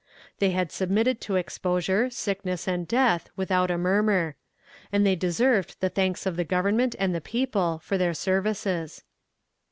They had submitted to exposure, sickness and death, without a murmur; and they deserved the thanks of the government and the people for their services.